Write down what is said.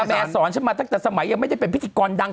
กล้าแมสอนมาตั้งแต่สมัยยังไม่เป็นพิจิกรดัง